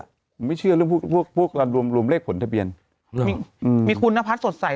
ผมไม่เชื่อเรื่องพวกพวกเรารวมรวมเลขผลทะเบียนมีอืมมีคุณนพัฒน์สดใส